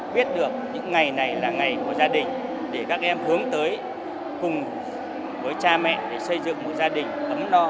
biết được những ngày này là ngày của gia đình để các em hướng tới cùng với cha mẹ để xây dựng một gia đình ấm no